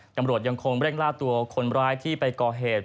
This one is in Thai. ตำรวจยังคงเร่งล่าตัวคนร้ายที่ไปก่อเหตุ